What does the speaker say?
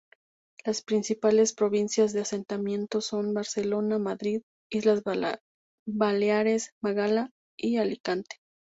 Las principales provincias de asentamiento son Barcelona, Madrid, Islas Baleares, Málaga y Alicante.